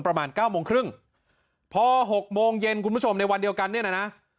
ประมาณเก้าโมงครึ่งพอหกโมงเย็นคุณผู้ชมในวันเดียวกันเนี่ยนะ